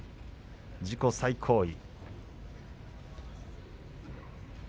自己最高位。